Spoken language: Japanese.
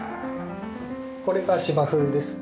これが芝生ですね。